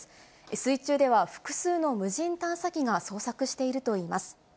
水中では複数の無人探査機が捜索しているといいます。